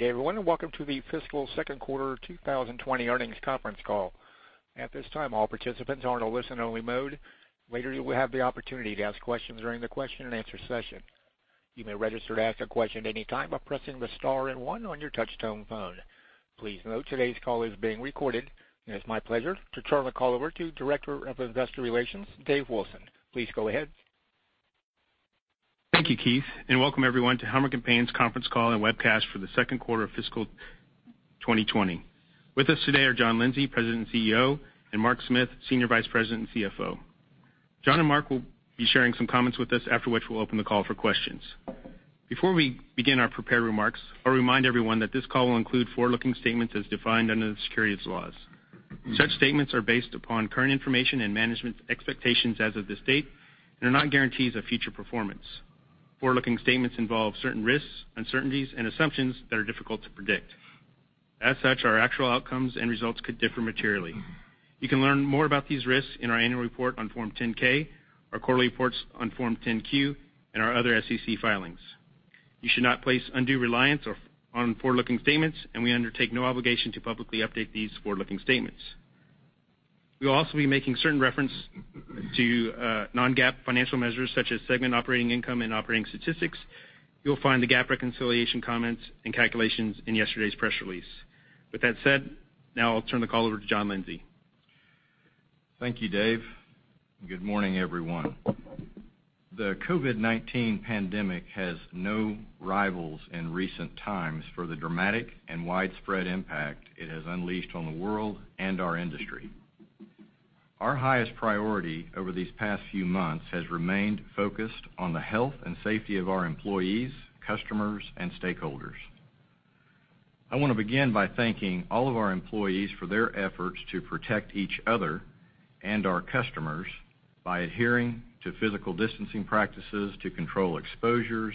Good day, everyone, and welcome to the fiscal second quarter 2020 earnings conference call. At this time, all participants are in a listen-only mode. Later you will have the opportunity to ask questions during the question-and-answer session. You may register to ask a question at any time by pressing the star and one on your touch-tone phone. Please note today's call is being recorded. It's my pleasure to turn the call over to Director of Investor Relations, Dave Wilson. Please go ahead. Thank you, Keith, and welcome everyone to Helmerich & Payne's conference call and webcast for the second quarter of fiscal 2020. With us today are John Lindsay, President and CEO, and Mark Smith, Senior Vice President and CFO. John and Mark will be sharing some comments with us after which we'll open the call for questions. Before we begin our prepared remarks, I'll remind everyone that this call will include forward-looking statements as defined under the securities laws. Such statements are based upon current information and management's expectations as of this date and are not guarantees of future performance. Forward-looking statements involve certain risks, uncertainties, and assumptions that are difficult to predict. As such, our actual outcomes and results could differ materially. You can learn more about these risks in our annual report on Form 10-K, our quarterly reports on Form 10-Q, and our other SEC filings. You should not place undue reliance on forward-looking statements, and we undertake no obligation to publicly update these forward-looking statements. We'll also be making certain reference to non-GAAP financial measures such as segment operating income and operating statistics. You'll find the GAAP reconciliation comments and calculations in yesterday's press release. With that said, now I'll turn the call over to John Lindsay. Thank you, Dave. Good morning, everyone. The COVID-19 pandemic has no rivals in recent times for the dramatic and widespread impact it has unleashed on the world and our industry. Our highest priority over these past few months has remained focused on the health and safety of our employees, customers, and stakeholders. I want to begin by thanking all of our employees for their efforts to protect each other and our customers by adhering to physical distancing practices to control exposures,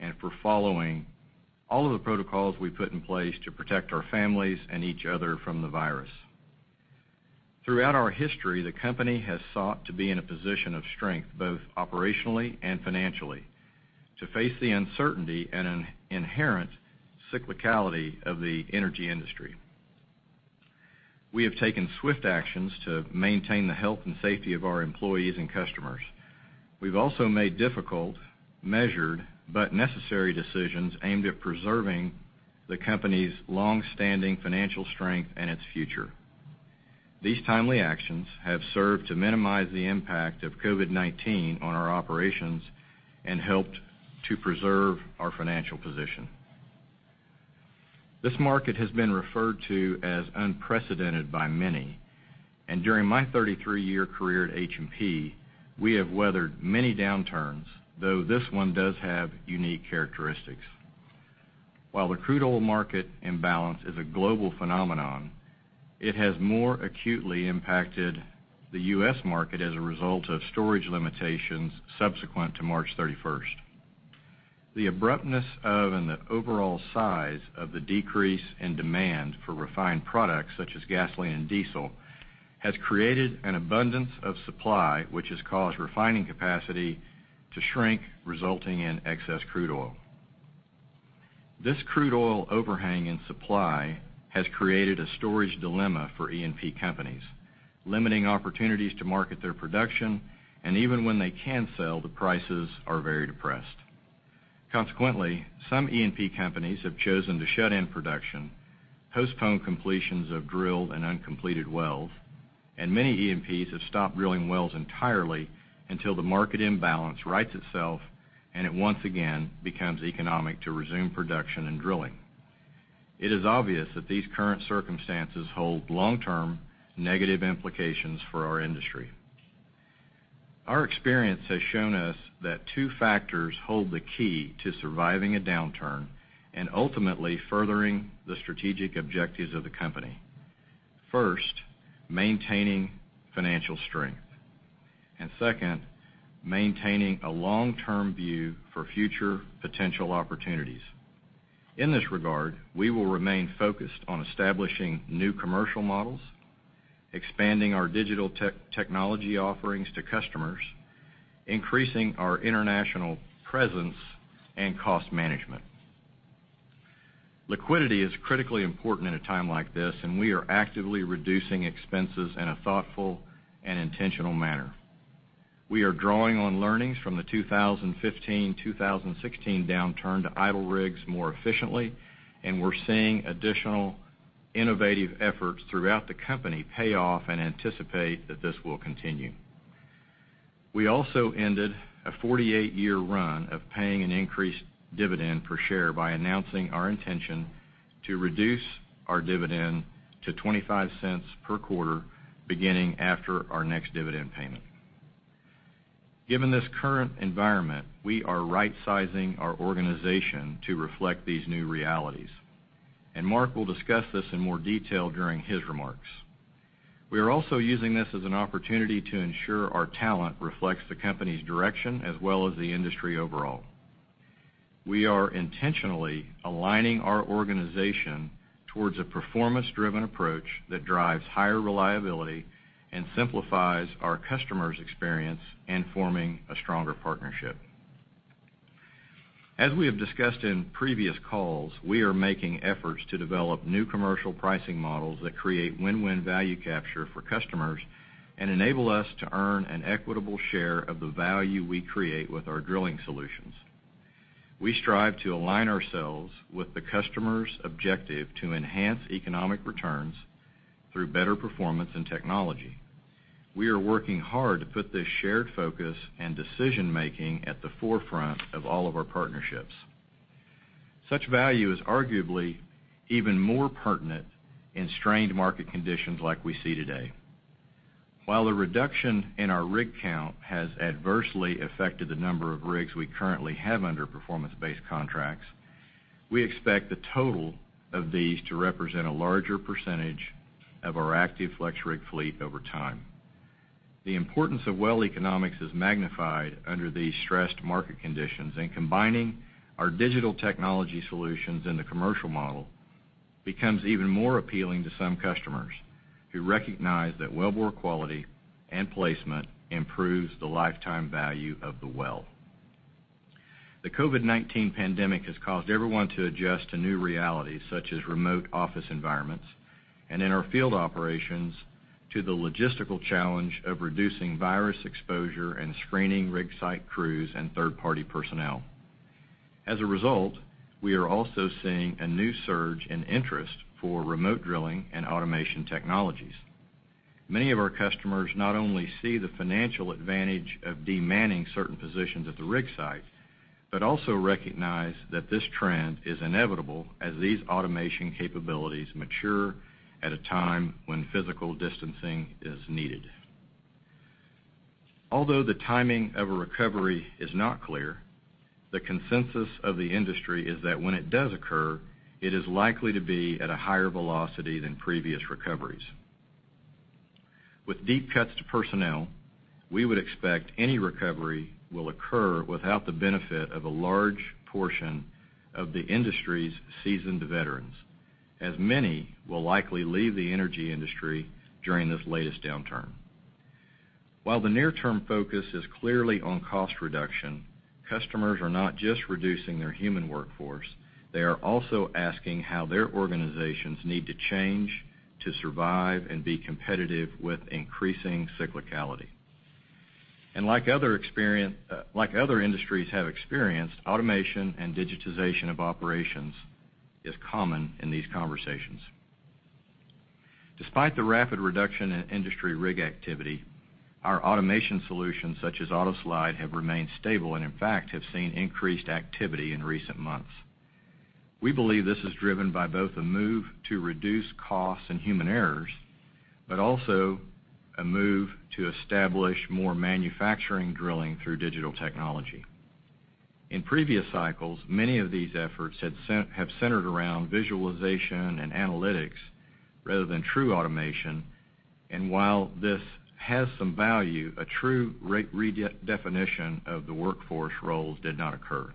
and for following all of the protocols we've put in place to protect our families and each other from the virus. Throughout our history, the company has sought to be in a position of strength, both operationally and financially, to face the uncertainty and inherent cyclicality of the energy industry. We have taken swift actions to maintain the health and safety of our employees and customers. We've also made difficult, measured, but necessary decisions aimed at preserving the company's longstanding financial strength and its future. These timely actions have served to minimize the impact of COVID-19 on our operations and helped to preserve our financial position. This market has been referred to as unprecedented by many, and during my 33-year career at H&P, we have weathered many downturns, though this one does have unique characteristics. While the crude oil market imbalance is a global phenomenon, it has more acutely impacted the U.S. market as a result of storage limitations subsequent to March 31st. The abruptness of and the overall size of the decrease in de-man for refined products such as gasoline and diesel has created an abundance of supply, which has caused refining capacity to shrink, resulting in excess crude oil. This crude oil overhang in supply has created a storage dilemma for E&P companies, limiting opportunities to market their production, and even when they can sell, the prices are very depressed. Consequently, some E&P companies have chosen to shut in production, postpone completions of drilled and uncompleted wells, and many E&Ps have stopped drilling wells entirely until the market imbalance rights itself and it once again becomes economic to resume production and drilling. It is obvious that these current circumstances hold long-term negative implications for our industry. Our experience has shown us that two factors hold the key to surviving a downturn and ultimately furthering the strategic objectives of the company. First, maintaining financial strength. Second, maintaining a long-term view for future potential opportunities. In this regard, we will remain focused on establishing new commercial models, expanding our digital technology offerings to customers, increasing our international presence, and cost management. Liquidity is critically important at a time like this, and we are actively reducing expenses in a thoughtful and intentional manner. We are drawing on learnings from the 2015-2016 downturn to idle rigs more efficiently, and we're seeing additional innovative efforts throughout the company pay off and anticipate that this will continue. We also ended a 48-year run of paying an increased dividend per share by announcing our intention to reduce our dividend to $0.25 per quarter, beginning after our next dividend payment. Given this current environment, we are rightsizing our organization to reflect these new realities, and Mark will discuss this in more detail during his remarks. We are also using this as an opportunity to ensure our talent reflects the company's direction as well as the industry overall. We are intentionally aligning our organization towards a performance-driven approach that drives higher reliability and simplifies our customers' experience in forming a stronger partnership. As we have discussed in previous calls, we are making efforts to develop new commercial pricing models that create win-win value capture for customers and enable us to earn an equitable share of the value we create with our drilling solutions. We strive to align ourselves with the customers' objective to enhance economic returns through better performance and technology. We are working hard to put this shared focus and decision-making at the forefront of all of our partnerships. Such value is arguably even more pertinent in strained market conditions like we see today. While the reduction in our rig count has adversely affected the number of rigs we currently have under performance-based contracts, we expect the total of these to represent a larger percentage of our active FlexRig fleet over time. Combining our digital technology solutions in the commercial model becomes even more appealing to some customers who recognize that wellbore quality and placement improves the lifetime value of the well. The COVID-19 pandemic has caused everyone to adjust to new realities, such as remote office environments, and in our field operations, to the logistical challenge of reducing virus exposure and screening rig site crews and third-party personnel. As a result, we are also seeing a new surge in interest for remote drilling and automation technologies. Many of our customers not only see the financial advantage of de-manning certain positions at the rig site, but also recognize that this trend is inevitable as these automation capabilities mature at a time when physical distancing is needed. Although the timing of a recovery is not clear, the consensus of the industry is that when it does occur, it is likely to be at a higher velocity than previous recoveries. With deep cuts to personnel, we would expect any recovery will occur without the benefit of a large portion of the industry's seasoned veterans, as many will likely leave the energy industry during this latest downturn. While the near-term focus is clearly on cost reduction, customers are not just reducing their human workforce, they are also asking how their organizations need to change to survive and be competitive with increasing cyclicality. Like other industries have experienced, automation and digitization of operations is common in these conversations. Despite the rapid reduction in industry rig activity, our automation solutions such as AutoSlide have remained stable and, in fact, have seen increased activity in recent months. We believe this is driven by both a move to reduce costs and human errors, but also a move to establish more manufacturing drilling through digital technology. In previous cycles, many of these efforts have centered around visualization and analytics rather than true automation. While this has some value, a true redefinition of the workforce roles did not occur.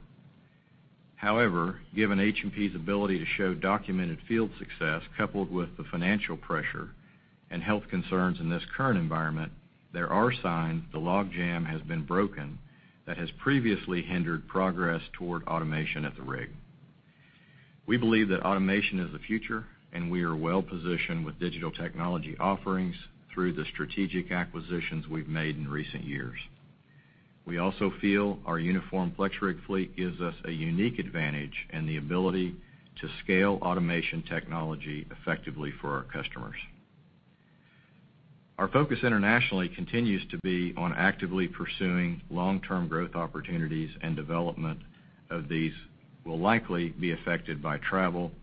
However, given H&P's ability to show documented field success coupled with the financial pressure and health concerns in this current environment, there are signs the logjam has been broken that has previously hindered progress toward automation at the rig. We believe that automation is the future, and we are well-positioned with digital technology offerings through the strategic acquisitions we've made in recent years. We also feel our uniform FlexRig fleet gives us a unique advantage and the ability to scale automation technology effectively for our customers. Our focus internationally continues to be on actively pursuing long-term growth opportunities, and development of these will likely be affected by travel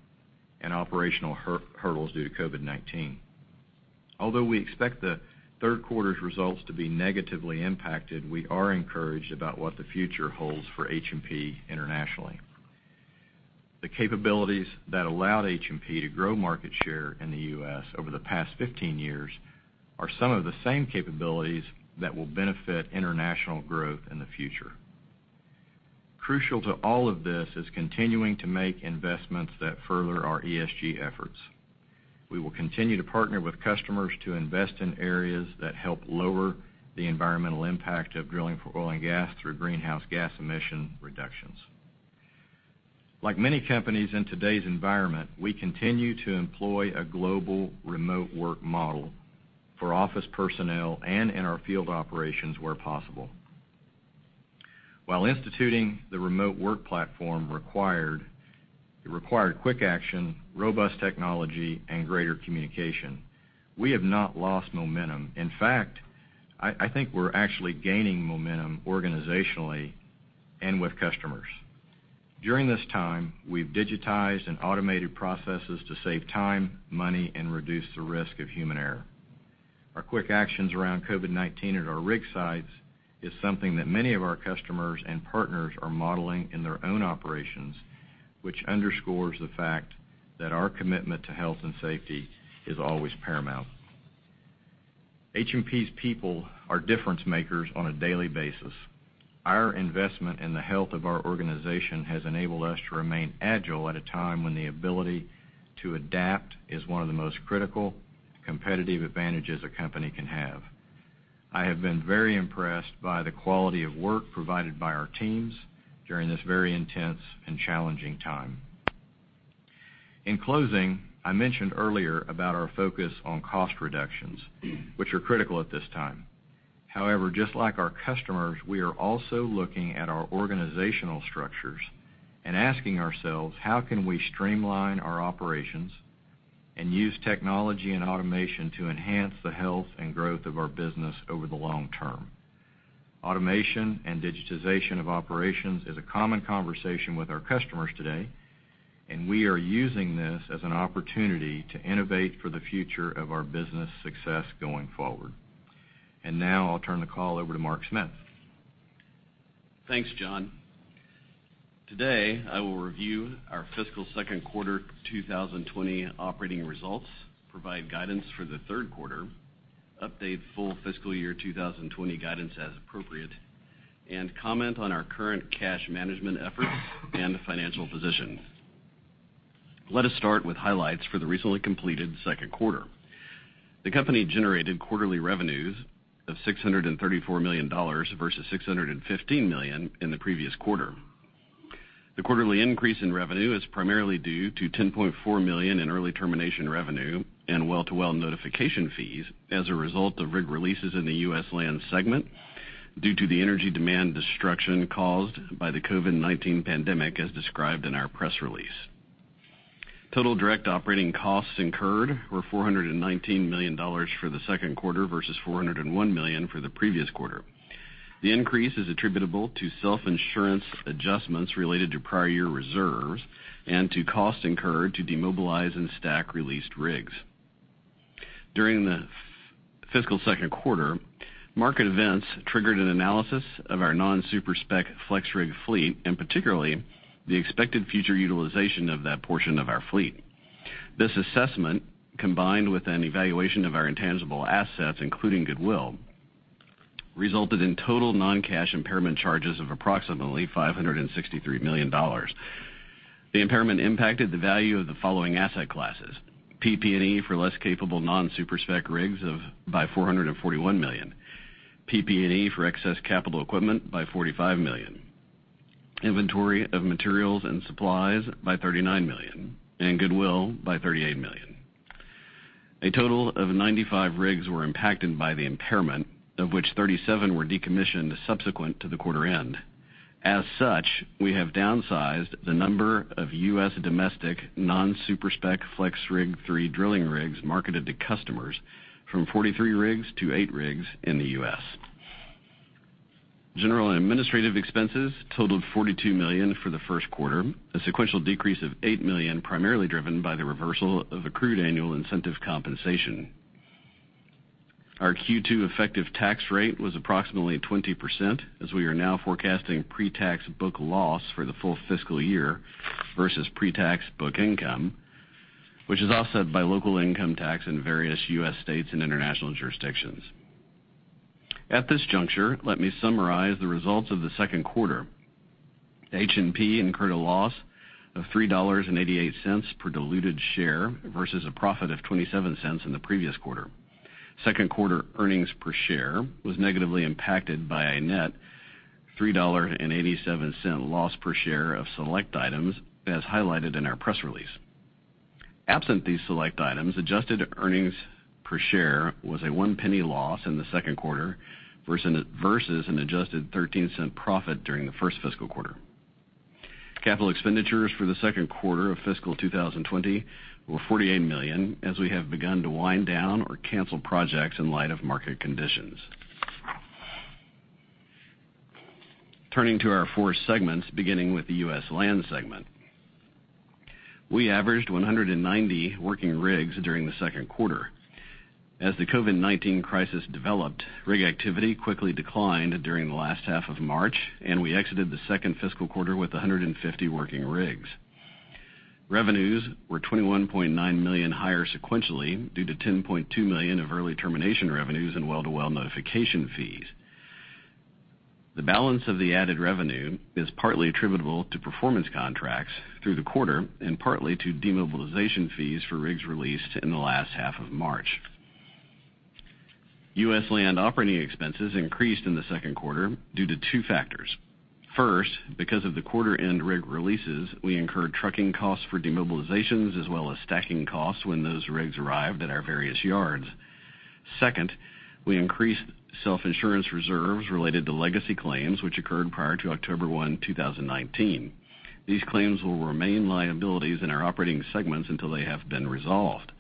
and operational hurdles due to COVID-19. Although we expect the third quarter's results to be negatively impacted, we are encouraged about what the future holds for H&P internationally. The capabilities that allowed H&P to grow market share in the U.S. over the past 15 years are some of the same capabilities that will benefit international growth in the future. Crucial to all of this is continuing to make investments that further our ESG efforts. We will continue to partner with customers to invest in areas that help lower the environmental impact of drilling for oil and gas through greenhouse gas emission reductions. Like many companies in today's environment, we continue to employ a global remote work model for office personnel and in our field operations where possible. While instituting the remote work platform required quick action, robust technology, and greater communication, we have not lost momentum. In fact, I think we're actually gaining momentum organizationally and with customers. During this time, we've digitized and automated processes to save time, money, and reduce the risk of human error. Our quick actions around COVID-19 at our rig sites is something that many of our customers and partners are modeling in their own operations, which underscores the fact that our commitment to health and safety is always paramount. H&P's people are difference makers on a daily basis. Our investment in the health of our organization has enabled us to remain agile at a time when the ability to adapt is one of the most critical competitive advantages a company can have. I have been very impressed by the quality of work provided by our teams during this very intense and challenging time. In closing, I mentioned earlier about our focus on cost reductions, which are critical at this time. However, just like our customers, we are also looking at our organizational structures and asking ourselves how we can streamline our operations and use technology and automation to enhance the health and growth of our business over the long term. Automation and digitization of operations is a common conversation with our customers today, and we are using this as an opportunity to innovate for the future of our business success going forward. Now I'll turn the call over to Mark Smith. Thanks, John. Today, I will review our fiscal second quarter 2020 operating results, provide guidance for the third quarter, update full fiscal year 2020 guidance as appropriate, and comment on our current cash management efforts and financial position. Let us start with highlights for the recently completed second quarter. The company generated quarterly revenues of $634 million versus $615 million in the previous quarter. The quarterly increase in revenue is primarily due to $10.4 million in early termination revenue and well-to-well notification fees as a result of rig releases in the U.S. Land segment due to the energy demand destruction caused by the COVID-19 pandemic, as described in our press release. Total direct operating costs incurred were $419 million for the second quarter versus $401 million for the previous quarter. The increase is attributable to self-insurance adjustments related to prior year reserves and to costs incurred to demobilize and stack released rigs. During the fiscal second quarter, market events triggered an analysis of our non-super spec FlexRig fleet, and particularly the expected future utilization of that portion of our fleet. This assessment, combined with an evaluation of our intangible assets, including goodwill, resulted in total non-cash impairment charges of approximately $563 million. The impairment impacted the value of the following asset classes: PP&E for less capable non-super spec rigs by $441 million, PP&E for excess capital equipment by $45 million, inventory of materials and supplies by $39 million, and goodwill by $38 million. A total of 95 rigs were impacted by the impairment, of which 37 were decommissioned subsequent to the quarter end. As such, we have downsized the number of U.S. domestic non-super spec FlexRig3 drilling rigs marketed to customers from 43 rigs to eight rigs in the U.S. General and administrative expenses totaled $42 million for the first quarter, a sequential decrease of $8 million, primarily driven by the reversal of accrued annual incentive compensation. Our Q2 effective tax rate was approximately 20%, as we are now forecasting pre-tax book loss for the full fiscal year versus pre-tax book income, which is offset by local income tax in various U.S. states and international jurisdictions. At this juncture, let me summarize the results of the second quarter. H&P incurred a loss of $3.88 per diluted share versus a profit of $0.27 in the previous quarter. Second quarter earnings per share was negatively impacted by a net $3.87 loss per share of select items as highlighted in our press release. Absent these select items, adjusted earnings per share was a $0.01 loss in the second quarter versus an adjusted $0.13 profit during the first fiscal quarter. Capital expenditures for the second quarter of fiscal 2020 were $48 million, as we have begun to wind down or cancel projects in light of market conditions. Turning to our four segments, beginning with the U.S. Land segment. We averaged 190 working rigs during the second quarter. As the COVID-19 crisis developed, rig activity quickly declined during the last half of March, and we exited the second fiscal quarter with 150 working rigs. Revenues were $21.9 million higher sequentially due to $10.2 million of early termination revenues and well-to-well notification fees. The balance of the added revenue is partly attributable to performance contracts through the quarter and partly to demobilization fees for rigs released in the last half of March. U.S. Land operating expenses increased in the second quarter due to two factors. First, because of the quarter-end rig releases, we incurred trucking costs for demobilizations as well as stacking costs when those rigs arrived at our various yards. Second, we increased self-insurance reserves related to legacy claims, which occurred prior to October 1, 2019. These claims will remain liabilities in our operating segments until they have been resolved.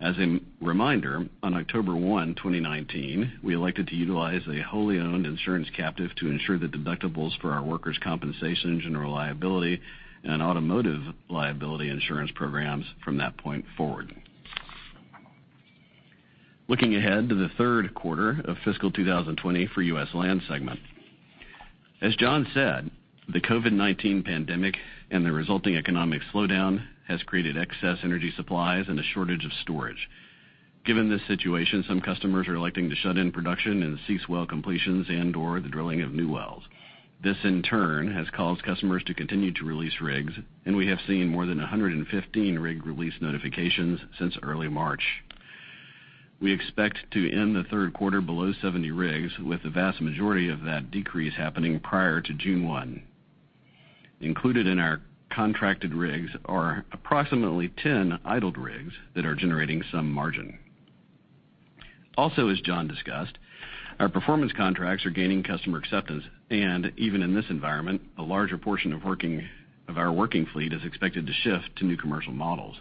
As a reminder, on October 1, 2019, we elected to utilize a wholly owned insurance captive to ensure the deductibles for our workers' compensation, general liability, and automotive liability insurance programs from that point forward. Looking ahead to the third quarter of fiscal 2020 for U.S. Land segment. As John said, the COVID-19 pandemic and the resulting economic slowdown has created excess energy supplies and a shortage of storage. Given this situation, some customers are electing to shut in production and cease well completions and/or the drilling of new wells. This, in turn, has caused customers to continue to release rigs, and we have seen more than 115 rig release notifications since early March. We expect to end the third quarter below 70 rigs, with the vast majority of that decrease happening prior to June 1. Included in our contracted rigs are approximately 10 idled rigs that are generating some margin. As John discussed, our performance contracts are gaining customer acceptance. Even in this environment, a larger portion of our working fleet is expected to shift to new commercial models.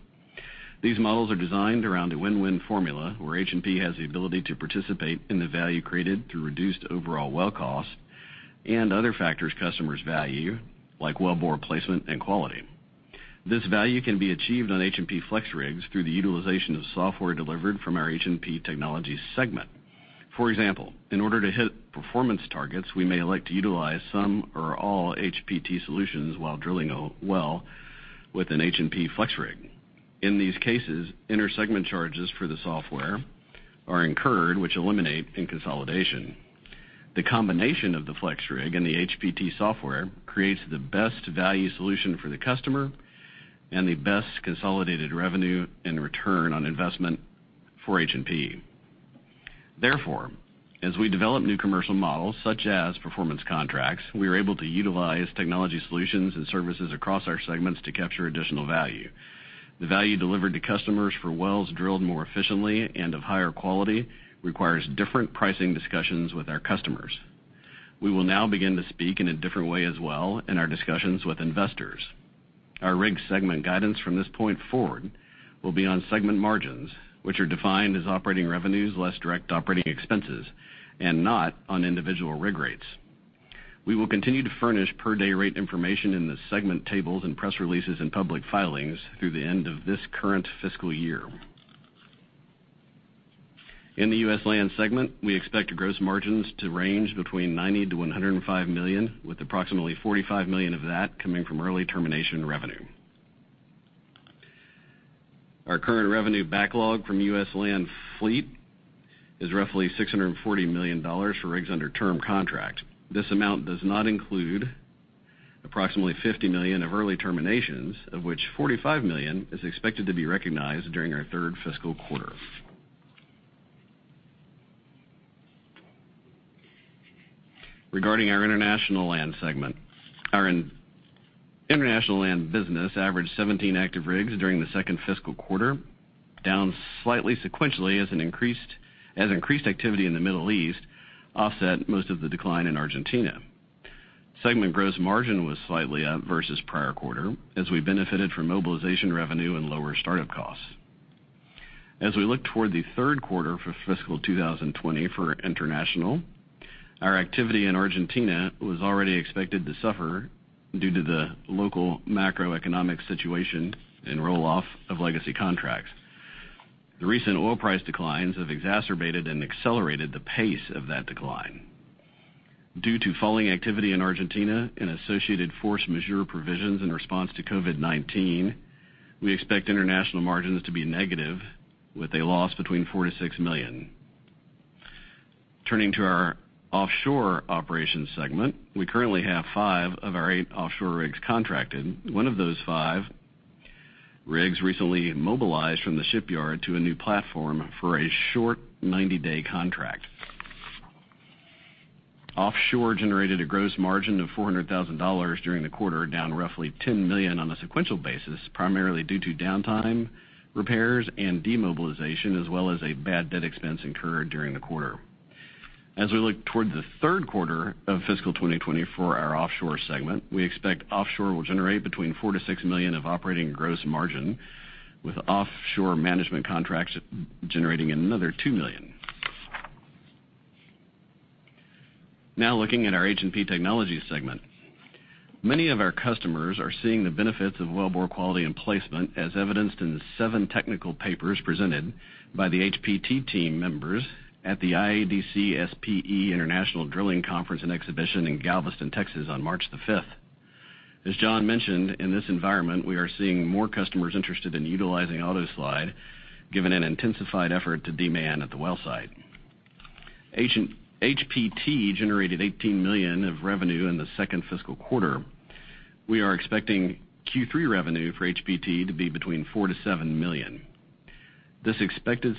These models are designed around a win-win formula where H&P has the ability to participate in the value created through reduced overall well costs and other factors customers value, like wellbore placement and quality. This value can be achieved on H&P FlexRigs through the utilization of software delivered from our H&P Technologies segment. For example, in order to hit performance targets, we may elect to utilize some or all HPT solutions while drilling a well with an H&P FlexRig. In these cases, inter-segment charges for the software are incurred, which eliminate in consolidation. The combination of the FlexRig and the HPT software creates the best value solution for the customer and the best consolidated revenue and return on investment for H&P. Therefore, as we develop new commercial models, such as performance contracts, we are able to utilize technology solutions and services across our segments to capture additional value. The value delivered to customers for wells drilled more efficiently and of higher quality requires different pricing discussions with our customers. We will now begin to speak in a different way as well in our discussions with investors. Our rig segment guidance from this point forward will be on segment margins, which are defined as operating revenues less direct operating expenses, and not on individual rig rates. We will continue to furnish per-day rate information in the segment tables and press releases and public filings through the end of this current fiscal year. In the U.S. Land segment, we expect gross margins to range between $90 million-$105 million, with approximately $45 million of that coming from early termination revenue. Our current revenue backlog from U.S. Land fleet is roughly $640 million for rigs under term contract. This amount does not include approximately $50 million of early terminations, of which $45 million is expected to be recognized during our third fiscal quarter. Regarding our International Land segment, our International Land business averaged 17 active rigs during the second fiscal quarter, down slightly sequentially as increased activity in the Middle East offset most of the decline in Argentina. Segment gross margin was slightly up versus prior quarter as we benefited from mobilization revenue and lower startup costs. As we look toward the third quarter for fiscal 2020 for International, our activity in Argentina was already expected to suffer due to the local macroeconomic situation and roll-off of legacy contracts. The recent oil price declines have exacerbated and accelerated the pace of that decline. Due to falling activity in Argentina and associated force majeure provisions in response to COVID-19, we expect International margins to be negative, with a loss between $4 million-$6 million. Turning to our Offshore Operations segment, we currently have five of our eight offshore rigs contracted. One of those five rigs recently mobilized from the shipyard to a new platform for a short 90-day contract. Offshore generated a gross margin of $400,000 during the quarter, down roughly $10 million on a sequential basis, primarily due to downtime, repairs and demobilization, as well as a bad debt expense incurred during the quarter. As we look toward the third quarter of fiscal 2020 for our Offshore segment, we expect offshore will generate between $4 million-$6 million of operating gross margin, with offshore management contracts generating another $2 million. Looking at our H&P Technologies segment. Many of our customers are seeing the benefits of wellbore quality and placement, as evidenced in the seven technical papers presented by the HPT team members at the IADC/SPE International Drilling Conference and Exhibition in Galveston, Texas on March 5th. As John mentioned, in this environment, we are seeing more customers interested in utilizing AutoSlide, given an intensified effort to de-man at the well site. HPT generated $18 million of revenue in the second fiscal quarter. We are expecting Q3 revenue for HPT to be between $4 million-$7 million. This expected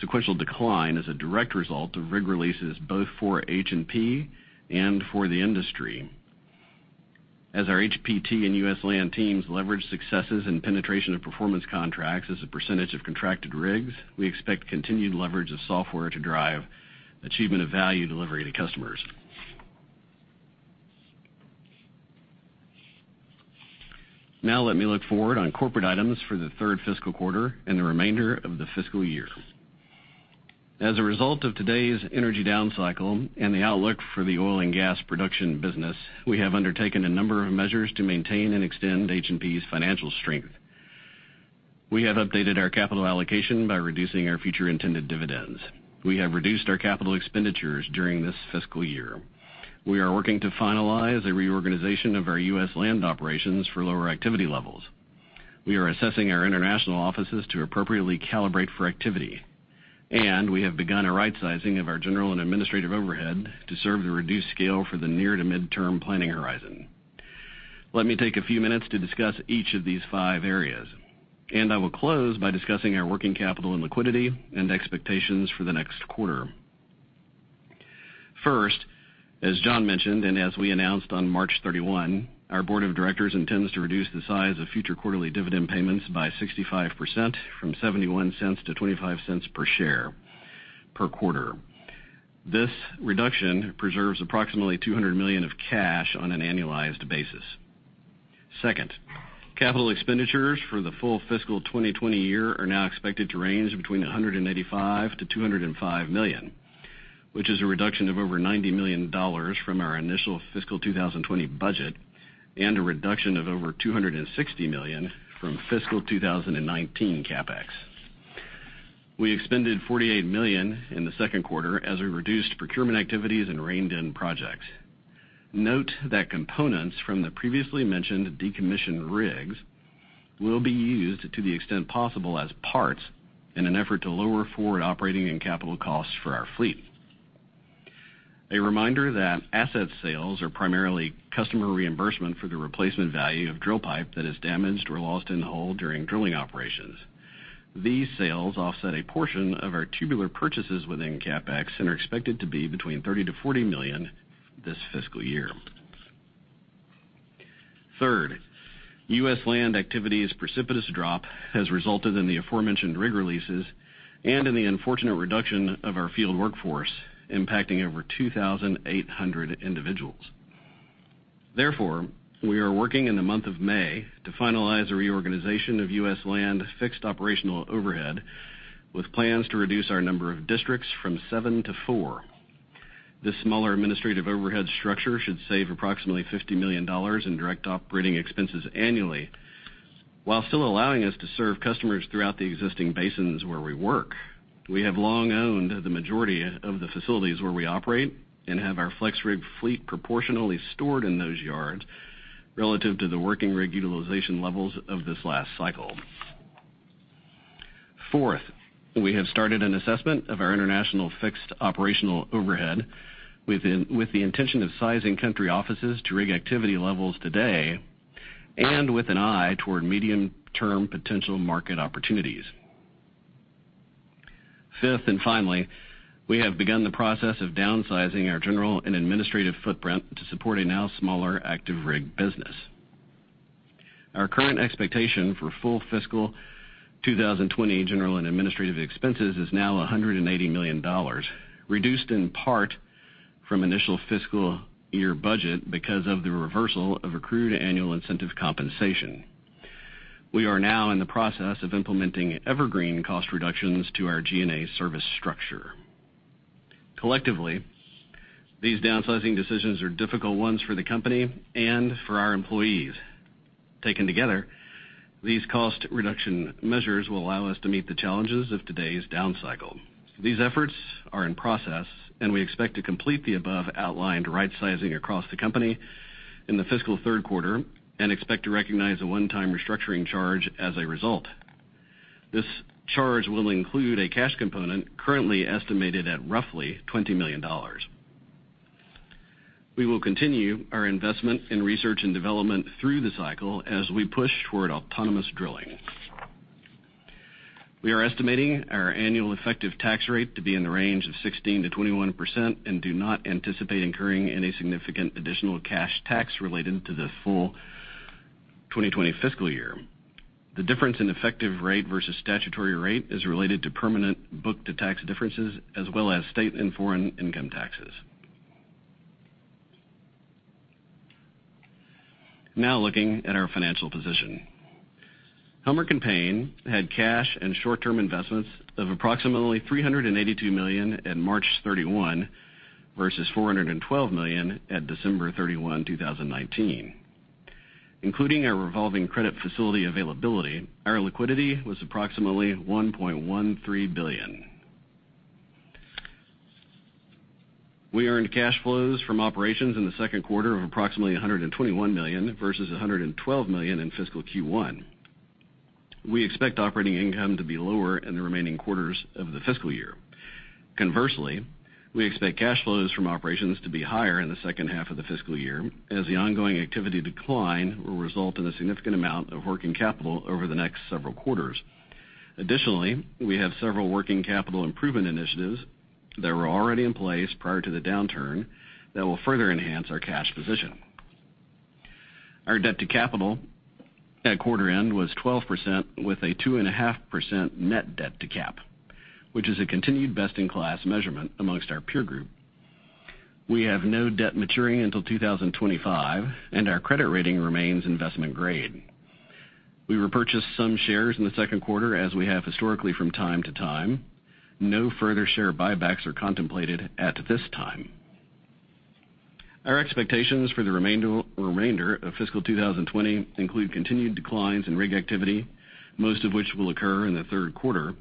sequential decline is a direct result of rig releases both for H&P and for the industry. As our HPT and U.S. Land teams leverage successes and penetration of performance contracts as a % of contracted rigs, we expect continued leverage of software to drive achievement of value delivery to customers. Let me look forward on corporate items for the third fiscal quarter and the remainder of the fiscal year. As a result of today's energy down cycle and the outlook for the oil and gas production business, we have undertaken a number of measures to maintain and extend H&P's financial strength. We have updated our capital allocation by reducing our future intended dividends. We have reduced our capital expenditures during this fiscal year. We are working to finalize a reorganization of our U.S. Land operations for lower activity levels. We are assessing our international offices to appropriately calibrate for activity. We have begun a rightsizing of our general and administrative overhead to serve the reduced scale for the near to midterm planning horizon. Let me take a few minutes to discuss each of these five areas. I will close by discussing our working capital and liquidity and expectations for the next quarter. First, as John mentioned, as we announced on March 31, our board of directors intends to reduce the size of future quarterly dividend payments by 65%, from $0.71-$0.25 per share per quarter. This reduction preserves approximately $200 million of cash on an annualized basis. Second, capital expenditures for the full fiscal 2020 year are now expected to range between $185 million-$205 million, which is a reduction of over $90 million from our initial fiscal 2020 budget and a reduction of over $260 million from fiscal 2019 CapEx. We expended $48 million in the second quarter as we reduced procurement activities and reined in projects. Note that components from the previously mentioned decommissioned rigs will be used to the extent possible as parts in an effort to lower forward operating and capital costs for our fleet. A reminder that asset sales are primarily customer reimbursement for the replacement value of drill pipe that is damaged or lost in the hole during drilling operations. These sales offset a portion of our tubular purchases within CapEx and are expected to be between $30 million-$40 million this fiscal year. Third, U.S. Land activity's precipitous drop has resulted in the aforementioned rig releases and in the unfortunate reduction of our field workforce, impacting over 2,800 individuals. We are working in the month of May to finalize a reorganization of U.S. Land fixed operational overhead, with plans to reduce our number of districts from 7-4. This smaller administrative overhead structure should save approximately $50 million in direct operating expenses annually while still allowing us to serve customers throughout the existing basins where we work. We have long owned the majority of the facilities where we operate and have our FlexRig fleet proportionally stored in those yards relative to the working rig utilization levels of this last cycle. Fourth, we have started an assessment of our international fixed operational overhead, with the intention of sizing country offices to rig activity levels today and with an eye toward medium-term potential market opportunities. Fifth, and finally, we have begun the process of downsizing our general and administrative footprint to support a now smaller active rig business. Our current expectation for full fiscal 2020 general and administrative expenses is now $180 million, reduced in part from initial fiscal year budget because of the reversal of accrued annual incentive compensation. We are now in the process of implementing evergreen cost reductions to our G&A service structure. Collectively, these downsizing decisions are difficult ones for the company and for our employees. Taken together, these cost reduction measures will allow us to meet the challenges of today's down cycle. These efforts are in process, and we expect to complete the above outlined rightsizing across the company in the fiscal third quarter and expect to recognize a one-time restructuring charge as a result. This charge will include a cash component currently estimated at roughly $20 million. We will continue our investment in research and development through the cycle as we push toward autonomous drilling. We are estimating our annual effective tax rate to be in the range of 16%-21% and do not anticipate incurring any significant additional cash tax related to the full 2020 fiscal year. The difference in effective rate versus statutory rate is related to permanent book-to-tax differences as well as state and foreign income taxes. Now looking at our financial position. Helmerich & Payne had cash and short-term investments of approximately $382 million in March 31 versus $412 million at December 31, 2019. Including our revolving credit facility availability, our liquidity was approximately $1.13 billion. We earned cash flows from operations in the second quarter of approximately $121 million versus $112 million in fiscal Q1. We expect operating income to be lower in the remaining quarters of the fiscal year. Conversely, we expect cash flows from operations to be higher in the second half of the fiscal year as the ongoing activity decline will result in a significant amount of working capital over the next several quarters. Additionally, we have several working capital improvement initiatives that were already in place prior to the downturn that will further enhance our cash position. Our debt to capital at quarter end was 12% with a 2.5% net debt to cap, which is a continued best-in-class measurement amongst our peer group. We have no debt maturing until 2025, and our credit rating remains investment grade. We repurchased some shares in the second quarter as we have historically from time to time. No further share buybacks are contemplated at this time. Our expectations for the remainder of fiscal 2020 include continued declines in rig activity, most of which will occur in the third quarter.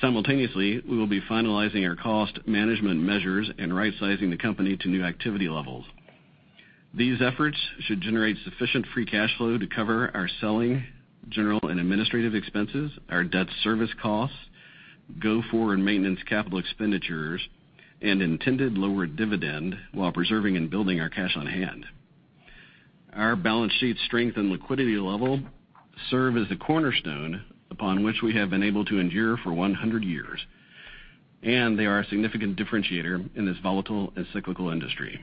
Simultaneously, we will be finalizing our cost management measures and rightsizing the company to new activity levels. These efforts should generate sufficient free cash flow to cover our selling, general, and administrative expenses, our debt service costs, go-forward maintenance capital expenditures, and intended lower dividend, while preserving and building our cash on hand. Our balance sheet strength and liquidity level serve as the cornerstone upon which we have been able to endure for 100 years, and they are a significant differentiator in this volatile and cyclical industry.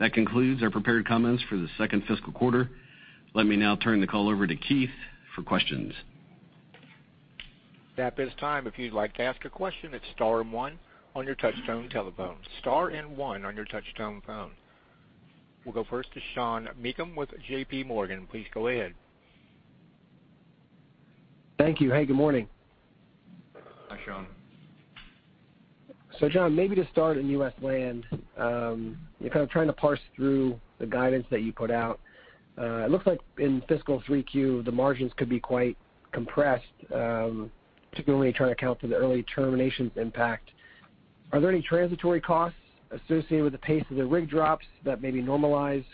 That concludes our prepared comments for the second fiscal quarter. Let me now turn the call over to Keith for questions. That is time. If you'd like to ask a question, it's star and one on your touch-tone telephone. Star and one on your touch-tone phone. We'll go first to Sean Meakim with JPMorgan. Please go ahead. Thank you. Hey, good morning. Hi, Sean. John, maybe to start in U.S. Land, kind of trying to parse through the guidance that you put out. It looks like in fiscal 3Q, the margins could be quite compressed, particularly trying to account for the early terminations impact. Are there any transitory costs associated with the pace of the rig drops that maybe normalize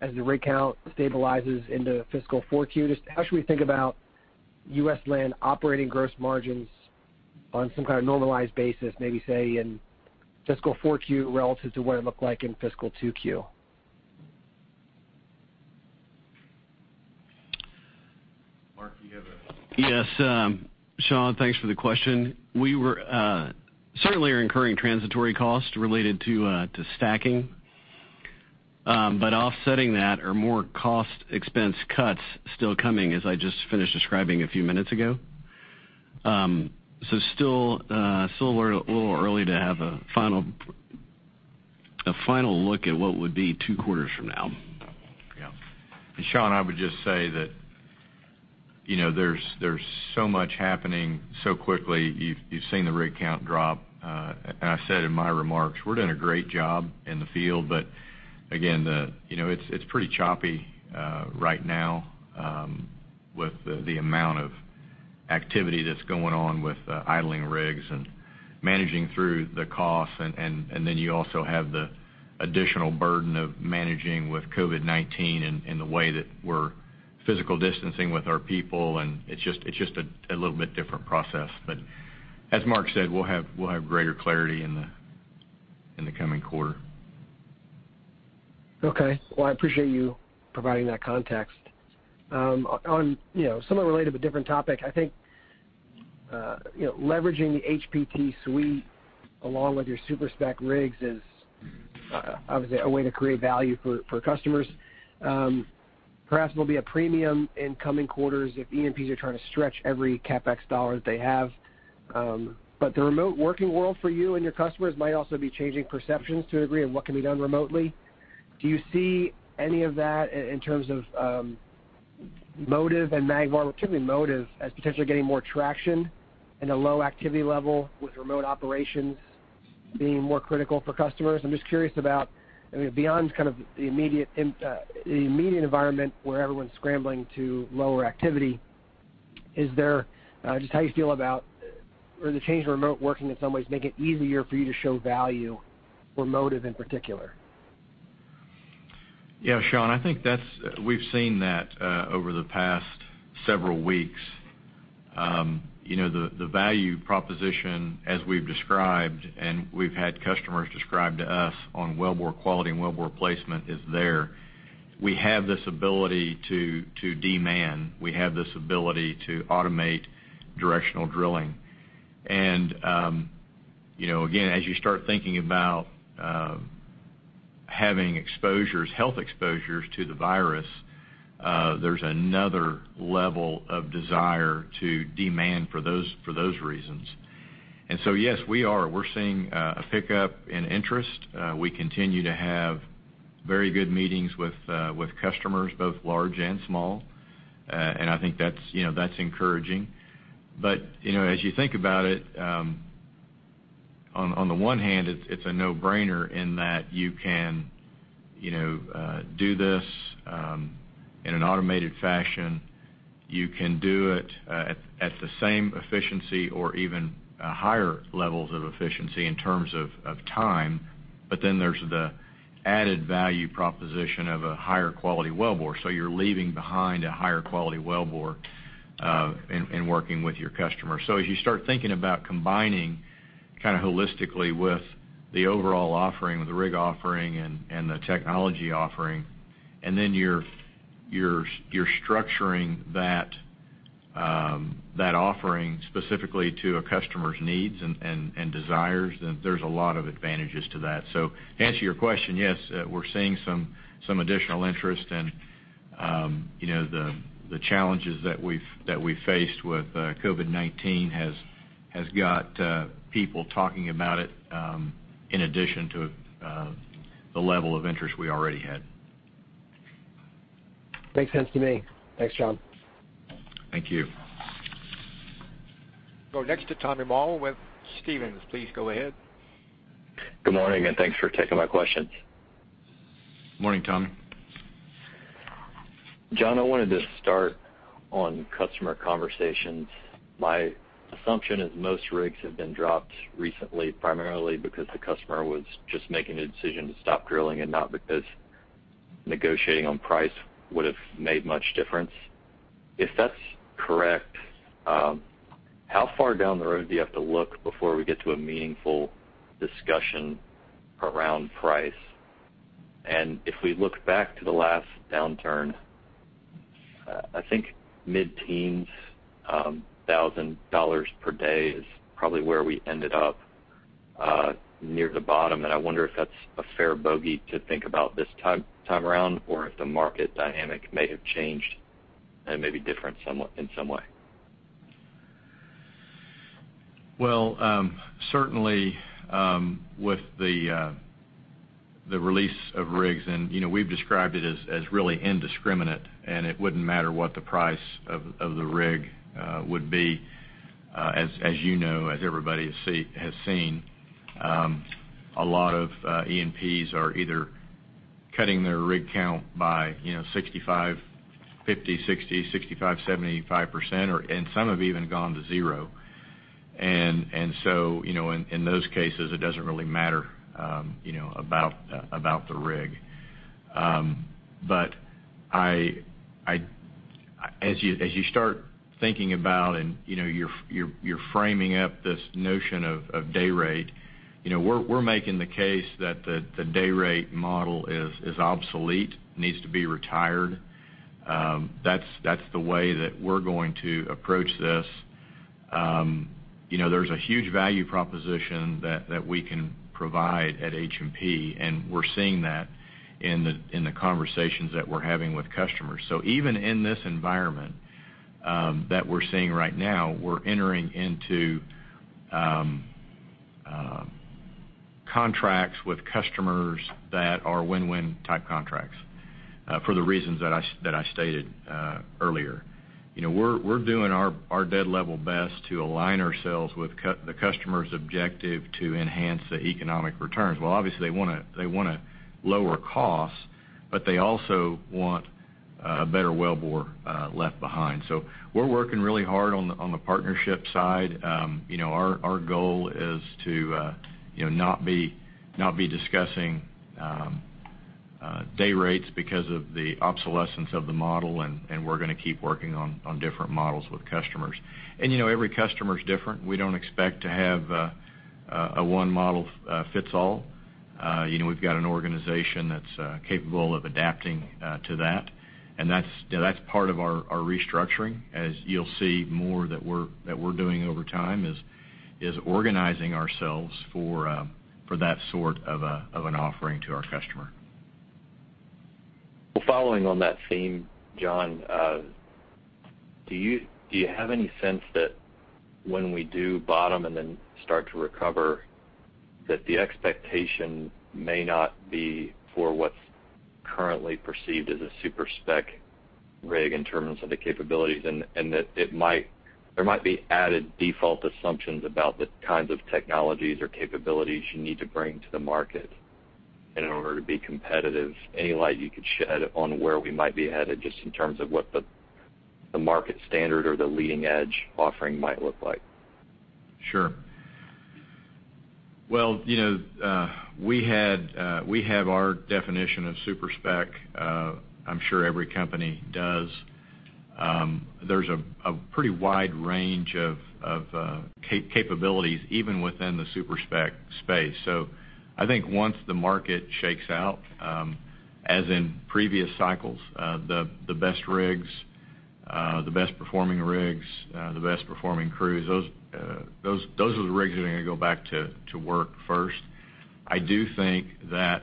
as the rig count stabilizes into fiscal 4Q? How should we think about U.S. Land operating gross margins on some kind of normalized basis, maybe say in fiscal 4Q relative to what it looked like in fiscal 2Q? Mark, do you have a? Yes. Sean, thanks for the question. We were certainly incurring transitory costs related to stacking. Offsetting that are more cost expense cuts still coming, as I just finished describing a few minutes ago. Still a little early to have a final look at what would be two quarters from now. Yeah. Sean, I would just say that there's so much happening so quickly. You've seen the rig count drop. I said in my remarks, we're doing a great job in the field, but again, it's pretty choppy right now with the amount of activity that's going on with idling rigs and managing through the costs, and then you also have the additional burden of managing with COVID-19 and the way that we're physical distancing with our people, and it's just a little bit different process. As Mark said, we'll have greater clarity in the coming quarter. Okay. Well, I appreciate you providing that context. I think leveraging the HPT suite along with your super-spec rigs is, obviously, a way to create value for customers. Perhaps there'll be a premium in coming quarters if E&Ps are trying to stretch every CapEx dollar that they have. The remote working world for you and your customers might also be changing perceptions to a degree of what can be done remotely. Do you see any of that in terms of MOTIVE and MagVAR, particularly MOTIVE, as potentially getting more traction in a low activity level with remote operations being more critical for customers? I'm just curious about beyond kind of the immediate environment where everyone's scrambling to lower activity, just how you feel about will the change in remote working in some ways make it easier for you to show value for Motive in particular? Yeah, Sean, I think we've seen that over the past several weeks. The value proposition as we've described, and we've had customers describe to us on wellbore quality and wellbore placement, is there. We have this ability to de-man. We have this ability to automate directional drilling. Again, as you start thinking about having health exposures to the virus, there's another level of desire to de-man for those reasons. Yes, we are. We're seeing a pickup in interest. We continue to have very good meetings with customers, both large and small. I think that's encouraging. As you think about it, on the one hand, it's a no-brainer in that you can do this in an automated fashion. You can do it at the same efficiency or even higher levels of efficiency in terms of time. There's the added value proposition of a higher quality wellbore. You're leaving behind a higher quality wellbore in working with your customer. As you start thinking about combining holistically with the overall offering, with the rig offering and the technology offering, and then you're structuring that offering specifically to a customer's needs and desires, there's a lot of advantages to that. To answer your question, yes, we're seeing some additional interest and the challenges that we've faced with COVID-19 has got people talking about it in addition to the level of interest we already had. Makes sense to me. Thanks, John. Thank you. Go next to Tommy Moll with Stephens. Please go ahead. Good morning. Thanks for taking my questions. Morning, Tommy. John, I wanted to start on customer conversations. My assumption is most rigs have been dropped recently, primarily because the customer was just making a decision to stop drilling and not because negotiating on price would've made much difference. If that's correct, how far down the road do you have to look before we get to a meaningful discussion around price? If we look back to the last downturn, I think mid-teens thousand dollars per day is probably where we ended up, near the bottom, and I wonder if that's a fair bogey to think about this time around, or if the market dynamic may have changed and may be different in some way. Well, certainly, with the release of rigs, we've described it as really indiscriminate. It wouldn't matter what the price of the rig would be. As you know, as everybody has seen, a lot of E&Ps are either cutting their rig count by 65%, 50%, 60%, 65%, 75%. Some have even gone to zero. In those cases, it doesn't really matter about the rig. As you start thinking about and you're framing up this notion of day rate, we're making the case that the day rate model is obsolete, needs to be retired. That's the way that we're going to approach this. There's a huge value proposition that we can provide at H&P. We're seeing that in the conversations that we're having with customers. Even in this environment that we're seeing right now, we're entering into contracts with customers that are win-win type contracts, for the reasons that I stated earlier. We're doing our dead level best to align ourselves with the customer's objective to enhance the economic returns. Well, obviously, they wanna lower costs, but they also want a better wellbore left behind. We're working really hard on the partnership side. Our goal is to not be discussing day rates because of the obsolescence of the model, and we're gonna keep working on different models with customers. Every customer's different. We don't expect to have a one model fits all. We've got an organization that's capable of adapting to that, and that's part of our restructuring. As you'll see more that we're doing over time is organizing ourselves for that sort of an offering to our customer. Well, following on that theme, John, do you have any sense that when we do bottom and then start to recover, that the expectation may not be for what's currently perceived as a super-spec rig in terms of the capabilities, and that there might be added default assumptions about the kinds of technologies or capabilities you need to bring to the market in order to be competitive? Any light you could shed on where we might be headed, just in terms of what the market standard or the leading edge offering might look like? Sure. Well, we have our definition of super-spec. I'm sure every company does. There's a pretty wide range of capabilities, even within the super-spec space. I think once the market shakes out, as in previous cycles, the best rigs, the best performing rigs, the best performing crews, those are the rigs that are gonna go back to work first. I do think that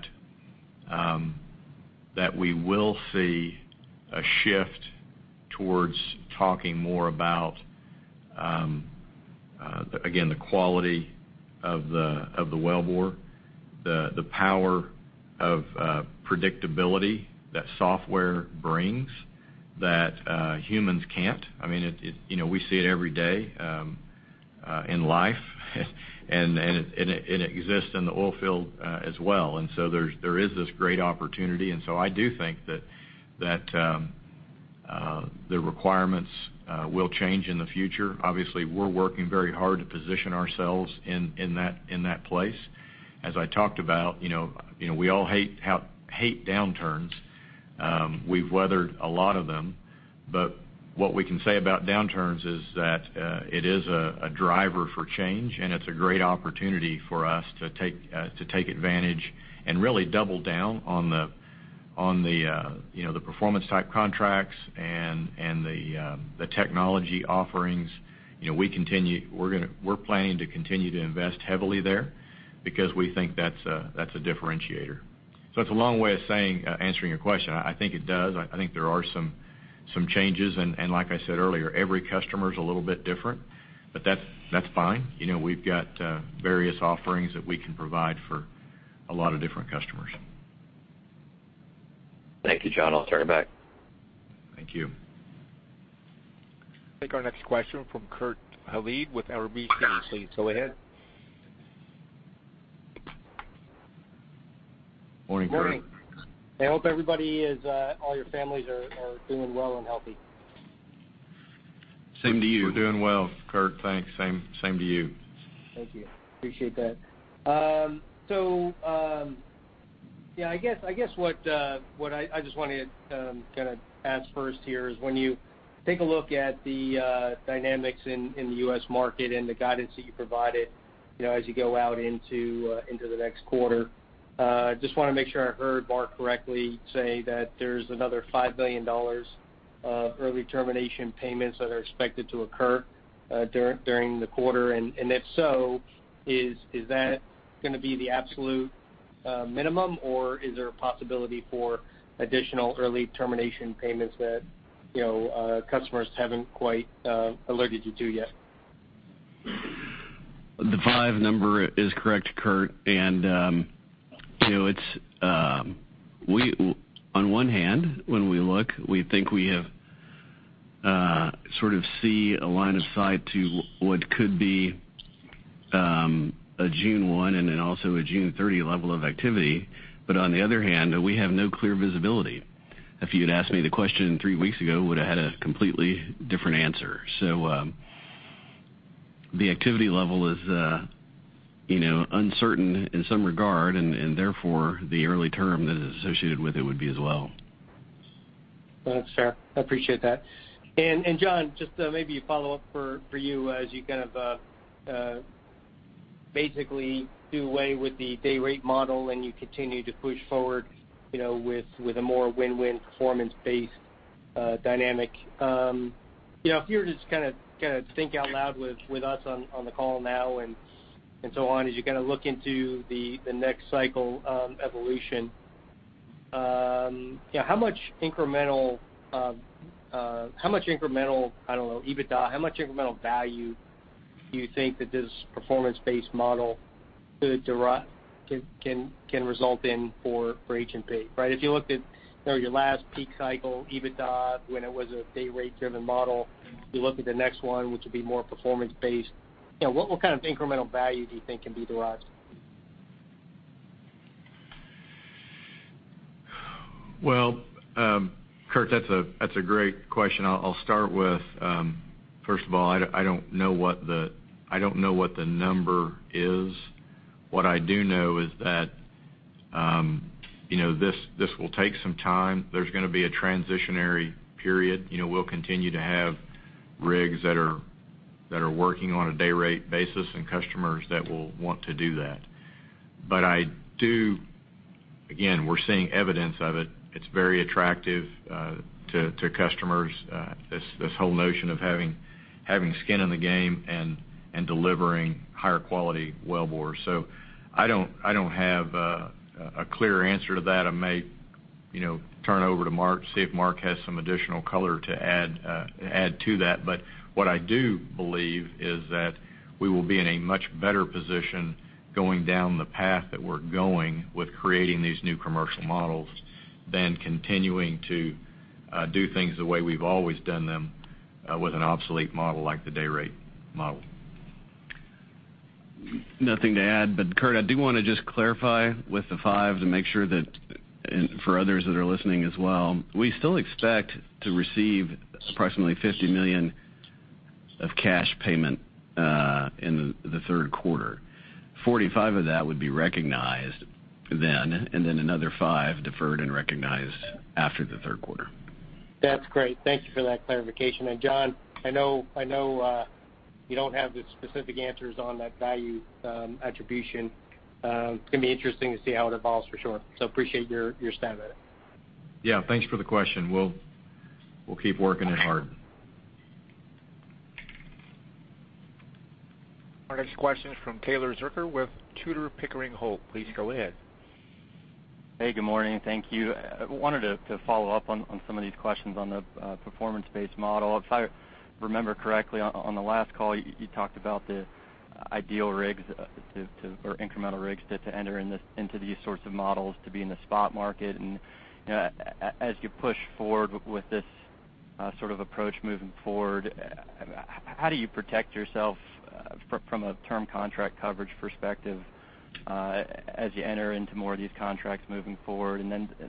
we will see a shift towards talking more about, again, the quality of the wellbore, the power of predictability that software brings that humans can't. We see it every day in life, it exists in the oil field as well. There is this great opportunity. I do think that the requirements will change in the future. Obviously, we're working very hard to position ourselves in that place. As I talked about, we all hate downturns. We've weathered a lot of them. What we can say about downturns is that it is a driver for change, and it's a great opportunity for us to take advantage and really double down on the performance type contracts and the technology offerings. We're planning to continue to invest heavily there because we think that's a differentiator. It's a long way of answering your question. I think it does. I think there are some changes, and like I said earlier, every customer is a little bit different, that's fine. We've got various offerings that we can provide for a lot of different customers. Thank you, John. I'll turn it back. Thank you. Take our next question from Kurt Halid with RBC. Please go ahead. Morning, Kurt. Morning. I hope everybody, all your families are doing well and healthy. Same to you. We're doing well, Kurt, thanks. Same to you. Thank you. Appreciate that. I guess what I just want to kind of ask first here is when you take a look at the dynamics in the U.S. market and the guidance that you provided as you go out into the next quarter, just want to make sure I heard Mark correctly say that there's another $5 million of early termination payments that are expected to occur during the quarter. If so, is that going to be the absolute minimum, or is there a possibility for additional early termination payments that customers haven't quite alerted you to yet? The five number is correct, Kurt. On one hand, when we look, we think we have sort of see a line of sight to what could be a June 1 and then also a June 30 level of activity. On the other hand, we have no clear visibility. If you'd asked me the question three weeks ago, I would've had a completely different answer. The activity level is uncertain in some regard and therefore the early term that is associated with it would be as well. That's fair. I appreciate that. John, just maybe a follow-up for you as you kind of basically do away with the day rate model, and you continue to push forward with a more win-win performance-based dynamic. If you were to just kind of think out loud with us on the call now, and so on, as you kind of look into the next cycle evolution. How much incremental, I don't know, EBITDA, how much incremental value do you think that this performance-based model can result in for H&P? If you looked at your last peak cycle EBITDA when it was a day rate driven model, if you look at the next one, which will be more performance based, what kind of incremental value do you think can be derived? Kurt, that's a great question. I'll start with, first of all, I don't know what the number is. What I do know is that this will take some time. There's going to be a transitionary period. We'll continue to have rigs that are working on a day rate basis and customers that will want to do that. Again, we're seeing evidence of it. It's very attractive to customers, this whole notion of having skin in the game and delivering higher quality wellbores. I don't have a clear answer to that. I may turn over to Mark, see if Mark has some additional color to add to that. What I do believe is that we will be in a much better position going down the path that we're going with creating these new commercial models than continuing to do things the way we've always done them with an obsolete model like the day rate model. Nothing to add, Kurt, I do want to just clarify with the $5 to make sure that for others that are listening as well, we still expect to receive approximately $50 million of cash payment in the third quarter. $45 of that would be recognized then, another $5 deferred and recognized after the third quarter. That's great. Thank you for that clarification. John, I know you don't have the specific answers on that value attribution. It's going to be interesting to see how it evolves, for sure. Appreciate your stand on it. Yeah. Thanks for the question. We'll keep working it hard. Our next question is from Taylor Zurcher with Tudor, Pickering, Holt. Please go ahead. Hey, good morning. Thank you. I wanted to follow up on some of these questions on the performance-based model. If I remember correctly, on the last call, you talked about the ideal rigs or incremental rigs to enter into these sorts of models to be in the spot market. As you push forward with this sort of approach moving forward, how do you protect yourself from a term contract coverage perspective as you enter into more of these contracts moving forward?